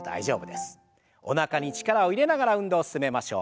おなかに力を入れながら運動進めましょう。